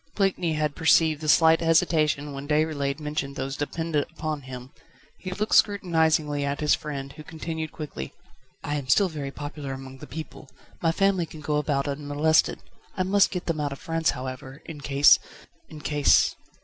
Blakeney had perceived the slight hesitation when Déroulède mentioned those dependent upon him. He looked scrutinisingly at his friend, who continued quickly: "I am still very popular among the people. My family can go about unmolested. I must get them out of France, however, in case in case